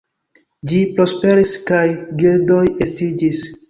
Ĝi prosperis, kaj gildoj estiĝis.